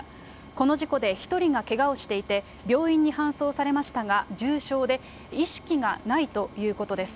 この事故で１人がけがをしていて、病院に搬送されましたが、重傷で、意識がないということです。